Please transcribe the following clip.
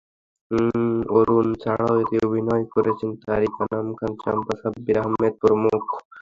অরুণ ছাড়াও এতে অভিনয় করছেন তারিক আনাম খান, চম্পা, সাব্বির আহমেদ প্রমুখ।